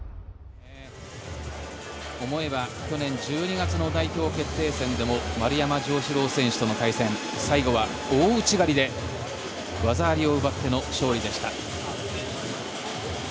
思えば去年１２月の代表決定戦でも丸山城志郎選手との対戦最後は大内刈りで技ありを奪っての勝利でした。